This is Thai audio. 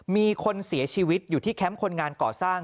มีคนเสียชีวิตอยู่ที่แคมป์คนงานก่อสร้าง